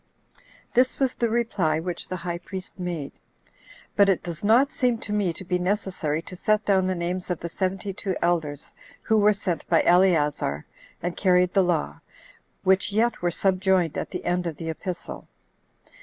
7. This was the reply which the high priest made. But it does not seem to me to be necessary to set down the names of the seventy [two] elders who were sent by Eleazar, and carried the law, which yet were subjoined at the end of the epistle.